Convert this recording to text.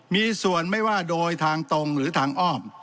มีส่วนไม่ว่าโดยทางตรงหรือทางอ้อม